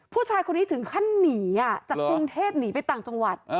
ผู้ชายคนนี้ถึงขั้นหนีจากกรุงเทพหนีไปต่างจังหวัด